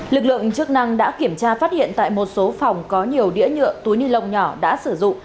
lực lượng chức năng đã kiểm tra phát hiện tại một số phòng có nhiều đĩa nhựa túi ni lông nhỏ đã sử dụng